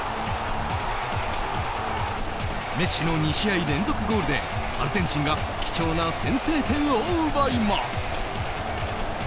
メッシの２試合連続ゴールでアルゼンチンが貴重な先制点を奪います。